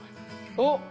おっ！